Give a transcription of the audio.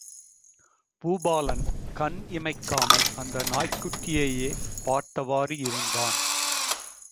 பூபாலன் கண் இமைக்காமல் அந்த நாய்க்குட்டியையே பார்த்தவாறு இருந்தான்.